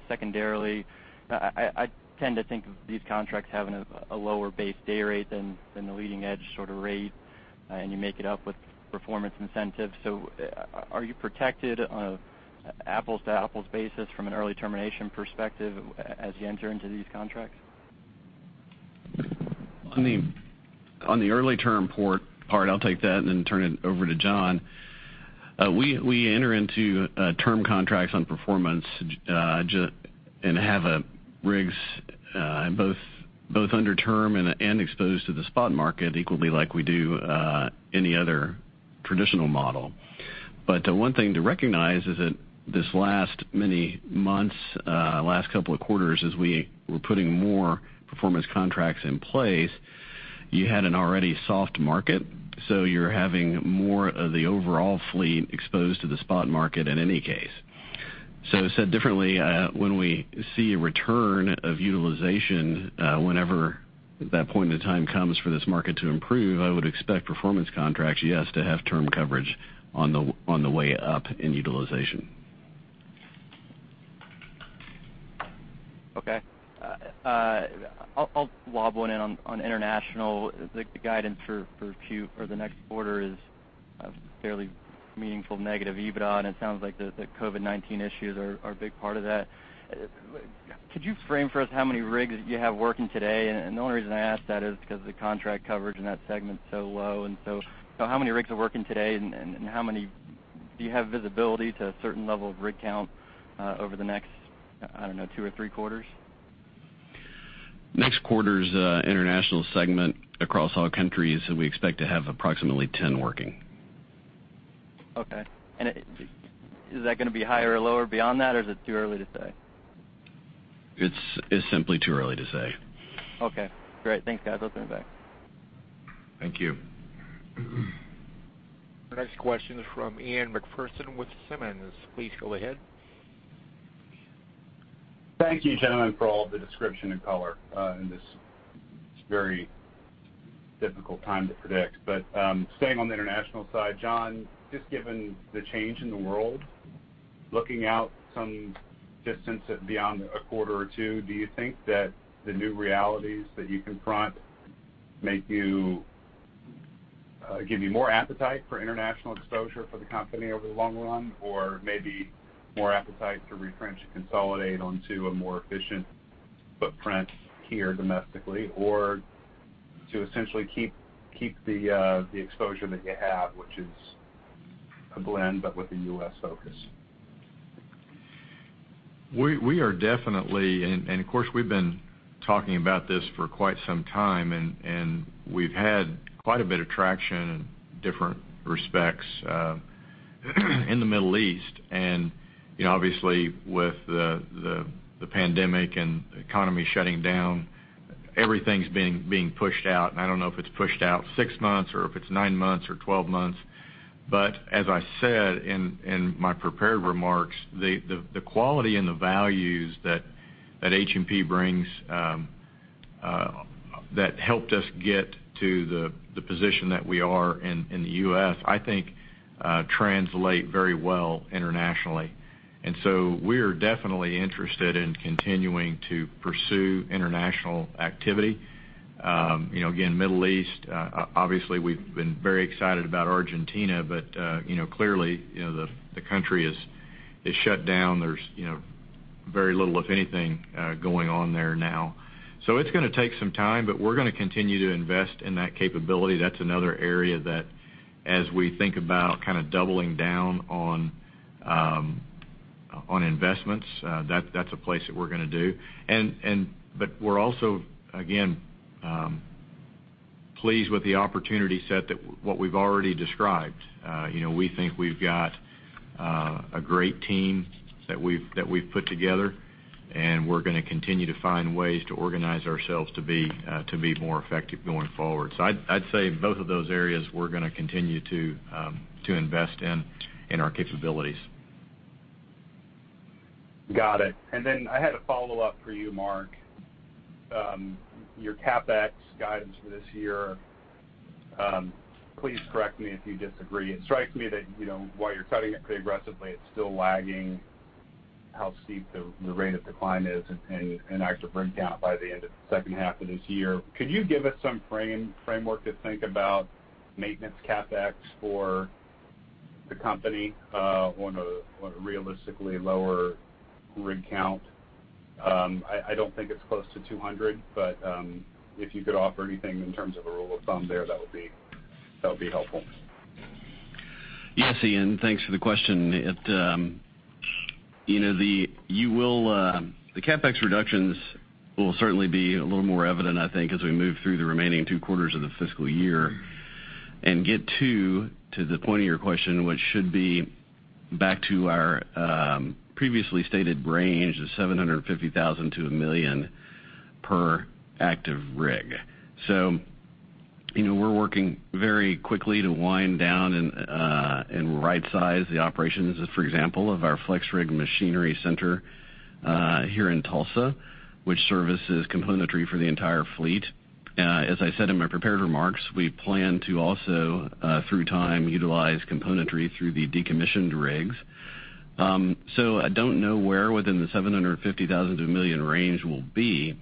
Secondarily, I tend to think of these contracts having a lower base day rate than the leading edge sort of rate, and you make it up with performance incentives. Are you protected on an apples-to-apples basis from an early termination perspective as you enter into these contracts? On the early term part, I'll take that and then turn it over to John. We enter into term contracts on performance and have rigs both under term and exposed to the spot market equally like we do any other. Traditional model. One thing to recognize is that this last many months, last couple of quarters, as we were putting more performance contracts in place, you had an already soft market, so you're having more of the overall fleet exposed to the spot market in any case. Said differently, when we see a return of utilization, whenever that point in time comes for this market to improve, I would expect performance contracts, yes, to have term coverage on the way up in utilization. Okay. I'll wobble in on International. The guidance for the next quarter is a fairly meaningful negative EBITDA. It sounds like the COVID-19 issues are a big part of that. Could you frame for us how many rigs you have working today? The only reason I ask that is because the contract coverage in that segment's so low and so how many rigs are working today, and do you have visibility to a certain level of rig count over the next, I don't know, two or three quarters? Next quarter's International Segment across all countries, we expect to have approximately 10 working. Okay. Is that going to be higher or lower beyond that, or is it too early to say? It's simply too early to say. Okay, great. Thanks, guys. I'll send it back. Thank you. The next question is from Ian MacPherson with Simmons. Please go ahead. Thank you, gentlemen, for all the description and color, in this very difficult time to predict. Staying on the international side, John, just given the change in the world, looking out some distance beyond a quarter or two, do you think that the new realities that you confront give you more appetite for international exposure for the company over the long run? Or maybe more appetite to refresh and consolidate onto a more efficient footprint here domestically, or to essentially keep the exposure that you have, which is a blend, but with a U.S. focus? We are definitely, of course, we've been talking about this for quite some time, and we've had quite a bit of traction in different respects in the Middle East. Obviously, with the pandemic and the economy shutting down, everything's being pushed out, and I don't know if it's pushed out six months or if it's nine months or 12 months. As I said in my prepared remarks, the quality and the values that H&P brings, that helped us get to the position that we are in the U.S., I think translate very well internationally. We're definitely interested in continuing to pursue international activity. Again, Middle East, obviously we've been very excited about Argentina, but clearly, the country is shut down. There's very little, if anything, going on there now. It's going to take some time, but we're going to continue to invest in that capability. That's another area that as we think about kind of doubling down on investments, that's a place that we're going to do. We're also, again, pleased with the opportunity set that what we've already described. We think we've got a great team that we've put together, and we're going to continue to find ways to organize ourselves to be more effective going forward. I'd say both of those areas, we're going to continue to invest in our capabilities. Got it. I had a follow-up for you, Mark. Your CapEx guidance for this year, please correct me if you disagree. It strikes me that, while you're cutting it pretty aggressively, it's still lagging how steep the rate of decline is in active rig count by the end of the second half of this year. Could you give us some framework to think about maintenance CapEx for the company on a realistically lower rig count? I don't think it's close to 200, but if you could offer anything in terms of a rule of thumb there, that would be helpful. Yes, Ian, thanks for the question. The CapEx reductions will certainly be a little more evident, I think, as we move through the remaining two quarters of the fiscal year and get to the point of your question, which should be back to our previously stated range of $750,000-$1 million per active rig. We're working very quickly to wind down and right-size the operations, for example, of our FlexRig machinery center here in Tulsa, which services componentry for the entire fleet. As I said in my prepared remarks, we plan to also, through time, utilize componentry through the decommissioned rigs. I don't know where within the $750,000-$1 million range we'll be.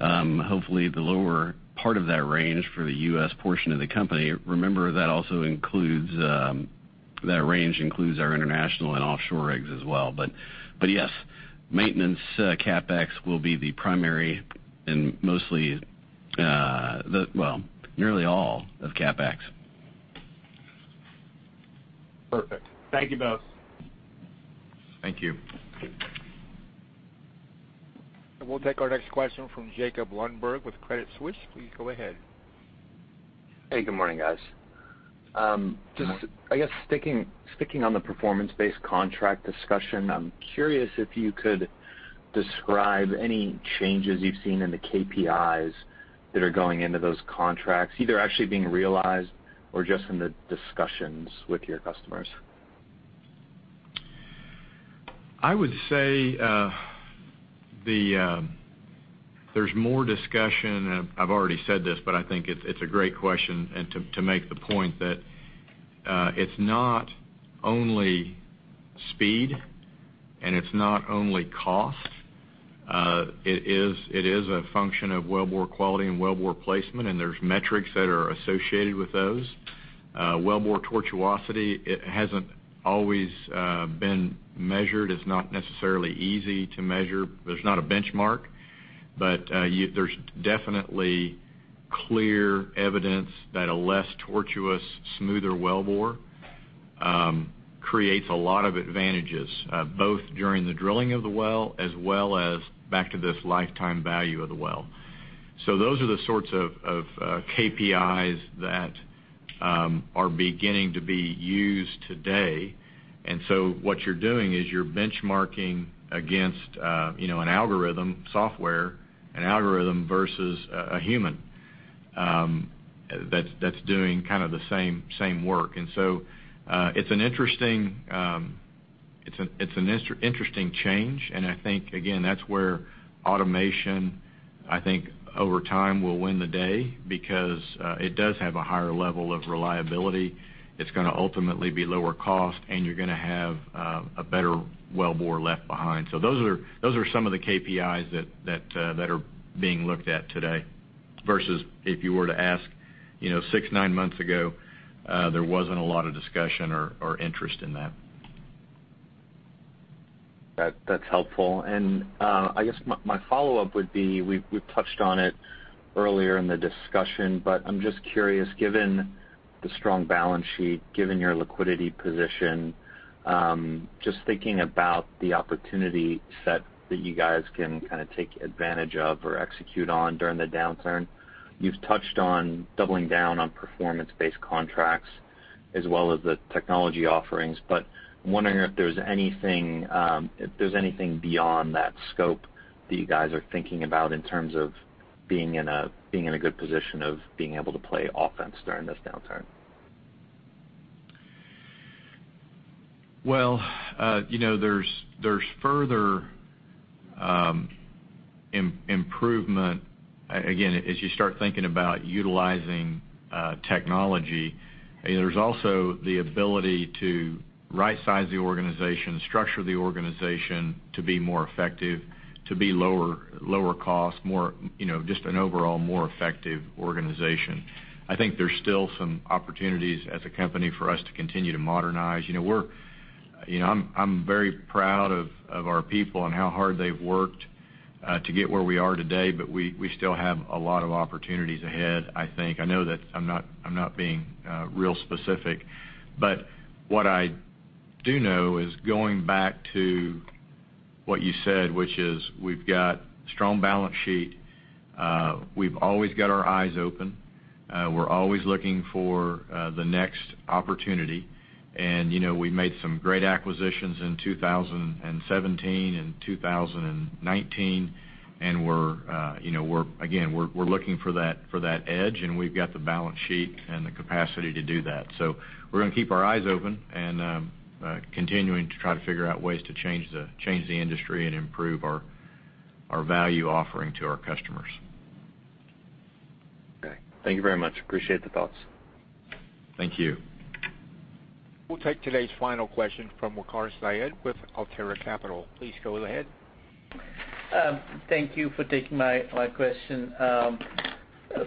Hopefully, the lower part of that range for the U.S. portion of the company. Remember, that range includes our international and offshore rigs as well. Yes, maintenance CapEx will be the primary and mostly, nearly all of CapEx. Perfect. Thank you both. Thank you. We'll take our next question from Jacob Lundberg with Credit Suisse. Please go ahead. Hey, good morning, guys. Good morning. Just, I guess, sticking on the performance-based contract discussion, I'm curious if you could describe any changes you've seen in the KPIs that are going into those contracts, either actually being realized or just in the discussions with your customers. I would say there's more discussion, I've already said this, but I think it's a great question, and to make the point that it's not only speed, and it's not only cost. It is a function of wellbore quality and wellbore placement, and there's metrics that are associated with those. Wellbore tortuosity hasn't always been measured. It's not necessarily easy to measure. There's not a benchmark. There's definitely clear evidence that a less tortuous, smoother wellbore creates a lot of advantages, both during the drilling of the well as well as back to this lifetime value of the well. Those are the sorts of KPIs that are beginning to be used today. What you're doing is you're benchmarking against an algorithm software, an algorithm versus a human that's doing kind of the same work. It's an interesting change. I think, again, that's where automation, I think over time, will win the day because it does have a higher level of reliability. It's going to ultimately be lower cost, and you're going to have a better wellbore left behind. Those are some of the KPIs that are being looked at today, versus if you were to ask six, nine months ago, there wasn't a lot of discussion or interest in that. That's helpful. I guess my follow-up would be, we've touched on it earlier in the discussion, but I'm just curious, given the strong balance sheet, given your liquidity position, just thinking about the opportunity set that you guys can kind of take advantage of or execute on during the downturn. You've touched on doubling down on performance-based contracts as well as the technology offerings. I'm wondering if there's anything beyond that scope that you guys are thinking about in terms of being in a good position of being able to play offense during this downturn. Well, there's further improvement. As you start thinking about utilizing technology, there's also the ability to right-size the organization, structure the organization to be more effective, to be lower cost, just an overall more effective organization. I think there's still some opportunities as a company for us to continue to modernize. I'm very proud of our people and how hard they've worked to get where we are today, but we still have a lot of opportunities ahead, I think. I know that I'm not being real specific, but what I do know is going back to what you said, which is we've got strong balance sheet. We've always got our eyes open. We're always looking for the next opportunity. We made some great acquisitions in 2017 and 2019, and again, we're looking for that edge, and we've got the balance sheet and the capacity to do that. We're going to keep our eyes open and continuing to try to figure out ways to change the industry and improve our value offering to our customers. Okay. Thank you very much. Appreciate the thoughts. Thank you. We'll take today's final question from Waqar Syed with AltaCorp Capital. Please go ahead. Thank you for taking my question.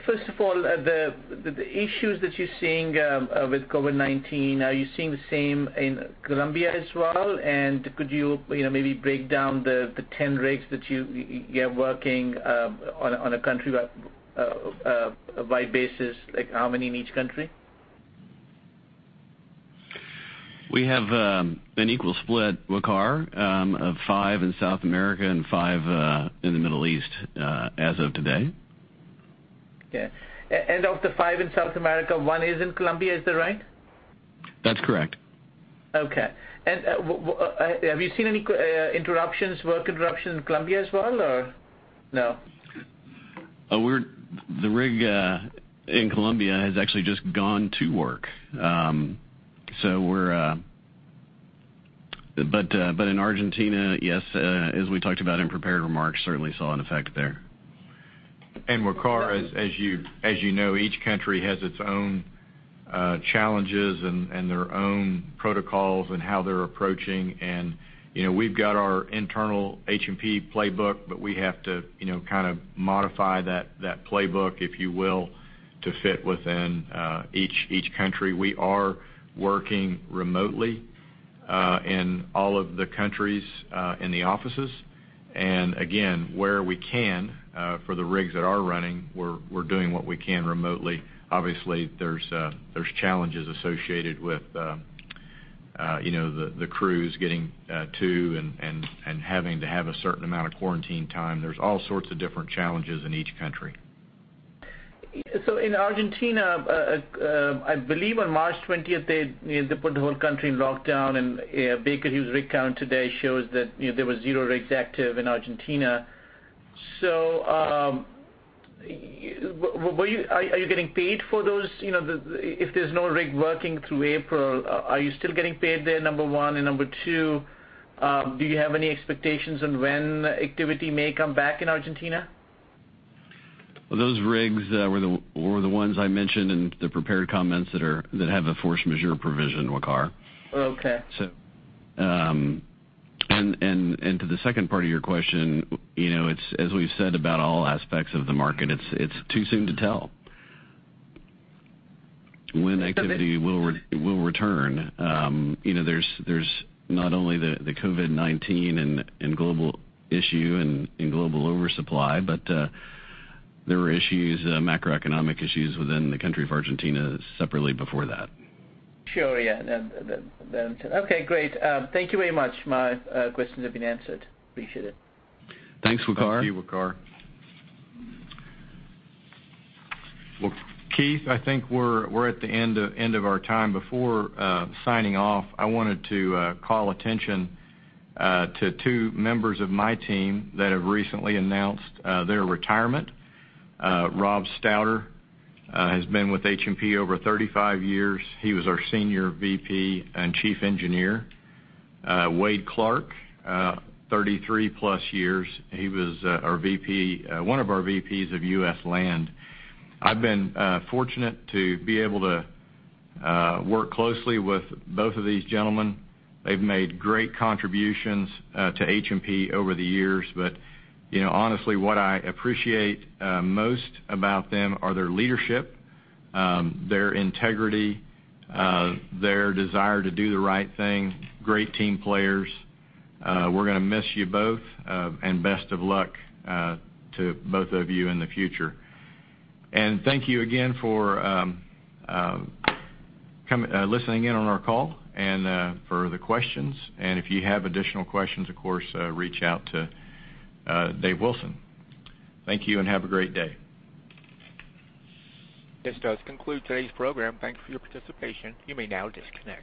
First of all, the issues that you're seeing with COVID-19, are you seeing the same in Colombia as well? Could you maybe break down the 10 rigs that you have working on a countrywide basis, like how many in each country? We have an equal split, Waqar, of five in South America and five in the Middle East as of today. Okay. Of the five in South America, one is in Colombia, is that right? That's correct. Okay. Have you seen any work interruptions in Colombia as well or no? The rig in Colombia has actually just gone to work. In Argentina, yes, as we talked about in prepared remarks, certainly saw an effect there. Waqar, as you know, each country has its own challenges and their own protocols and how they're approaching. We've got our internal H&P playbook, but we have to kind of modify that playbook, if you will, to fit within each country. We are working remotely in all of the countries in the offices. Again, where we can for the rigs that are running, we're doing what we can remotely. Obviously, there's challenges associated with the crews getting to and having to have a certain amount of quarantine time. There's all sorts of different challenges in each country. In Argentina, I believe on March 20th, they put the whole country in lockdown and Baker Hughes rig count today shows that there was zero rigs active in Argentina. Are you getting paid for those? If there's no rig working through April, are you still getting paid there, number one? Number two, do you have any expectations on when activity may come back in Argentina? Well, those rigs were the ones I mentioned in the prepared comments that have a force majeure provision, Waqar. Okay. To the second part of your question, as we've said about all aspects of the market, it's too soon to tell when activity will return. There's not only the COVID-19 and global issue and global oversupply, but there were macroeconomic issues within the country of Argentina separately before that. Sure. Yeah. Okay, great. Thank you very much. My questions have been answered. Appreciate it. Thanks, Waqar. Thank you, Waqar. Well, Keith, I think we're at the end of our time. Before signing off, I wanted to call attention to two members of my team that have recently announced their retirement. Rob Stauder has been with H&P over 35 years. He was our Senior VP and Chief Engineer. Wade Clark, 33 plus years. He was one of our VPs of U.S. Land. I've been fortunate to be able to work closely with both of these gentlemen. They've made great contributions to H&P over the years. Honestly, what I appreciate most about them are their leadership, their integrity, their desire to do the right thing. Great team players. We're going to miss you both, and best of luck to both of you in the future. Thank you again for listening in on our call and for the questions. If you have additional questions, of course, reach out to Dave Wilson. Thank you and have a great day. This does conclude today's program. Thank you for your participation. You may now disconnect.